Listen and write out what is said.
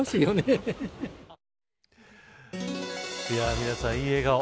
皆さん、いい笑顔。